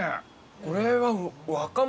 これは。